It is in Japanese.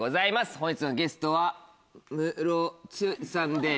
本日のゲストはムロツさんです。